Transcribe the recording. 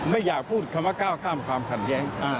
ไม่อยากพูดคำว่าก้าวข้ามความขัดแย้ง